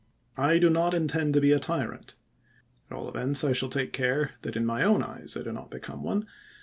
I do not intend to be a tyrant. At all events I shall take care that in my own eyes I do not become one.